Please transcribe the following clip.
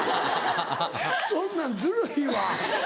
そんなんズルいわ。